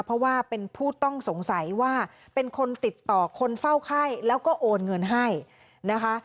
เพราะว่าเป็นผู้ต้องสงสัยว่าเป็นคนติดต่อคนเฝ้าไข้แล้วก็โอนเงินให้นะคะ